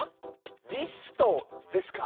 「リスト」ですか？